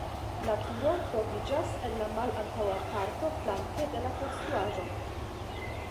La turo troviĝas en la malantaŭa parto flanke de la konstruaĵo.